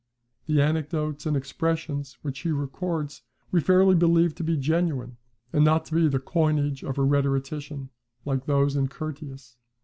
The anecdotes and expressions which he records we fairly believe to be genuine, and not to be the coinage of a rhetorician, like those in Curtius.